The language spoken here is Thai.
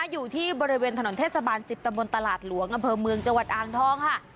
อยู่ที่บริเวณถนนเทศบาล๑๐ตะบนตลาดหลวงอำเภอเมืองจังหวัดอ่างทองค่ะ